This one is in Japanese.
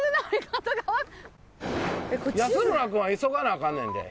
安村君は急がなアカンねんで？